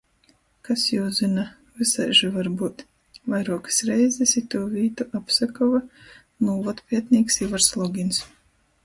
Kas jū zyna... Vysaiži var byut. Vairuokys reizis itū vītu apsekova nūvodpietnīks Ivars Logins.